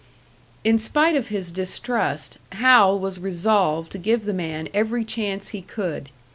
In spite of his distrust, Hal was resolved to give the man every chance he could.